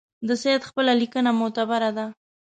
د سید خپله لیکنه معتبره ده.